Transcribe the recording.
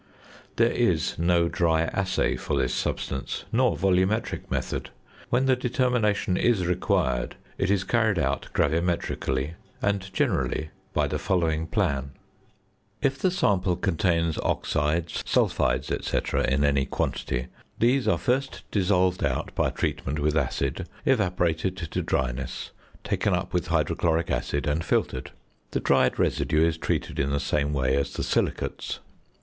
There is no dry assay for this substance, nor volumetric method; when the determination is required, it is carried out gravimetrically and, generally, by the following plan. If the sample contains oxides, sulphides, &c., in any quantity, these are first dissolved out by treatment with acid, evaporated to dryness, taken up with hydrochloric acid, and filtered. The dried residue is treated in the same way as the silicates.